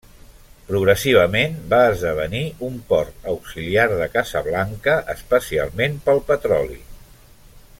Progressivament va esdevenir un port auxiliar de Casablanca, especialment pel petroli.